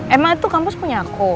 emang itu kampus punya aku